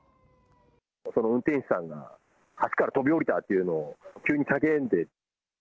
その運転手さんが、橋から飛び降りたっていうのを急に叫んで。